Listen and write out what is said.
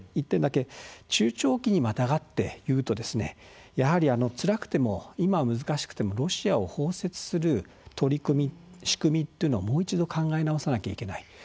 １点だけ中長期にまたがって言うとやはりつらくても今は難しくてもロシアを包摂する取り組み仕組みというのをもう一度考え直さなきゃいけない。